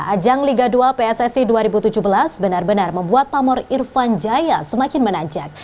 ajang liga dua pssi dua ribu tujuh belas benar benar membuat pamor irfan jaya semakin menanjak